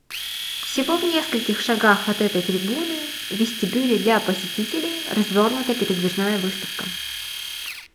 Всего в нескольких шагах от этой трибуны — в вестибюле для посетителей — развернута передвижная выставка.